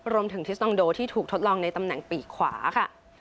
รวมถึงทิสตองโดที่ถูกทดลองในตำแหน่งปีกขวาค่ะ